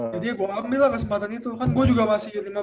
jadi ya gue ambil lah kesempatan itu kan gue juga masih lima belas tahun kan